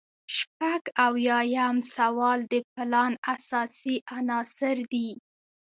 شپږ اویایم سوال د پلان اساسي عناصر دي.